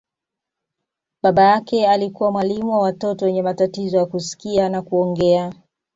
Baba yake alikuwa mwalimu wa watoto wenye matatizo ya kusikia na kuongea.